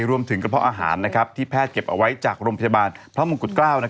รวมถึงกระเพาะอาหารที่แพทย์เก็บเอาไว้จากโรงพยาบาลพระมงกุฎเกล้า